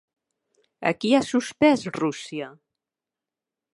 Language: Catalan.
A qui ha suspès Rússia?